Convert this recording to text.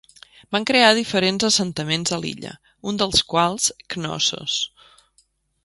Van crear diferents assentaments a l'illa, un dels quals Cnossos.